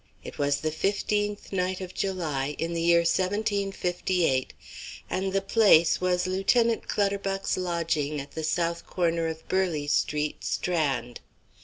It was the fifteenth night of July, in the year 1758, and the place was Lieutenant Clutterbuck's lodging at the south corner of Burleigh Street, Strand.